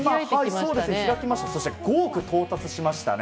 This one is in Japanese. そして、５億に到達しましたね。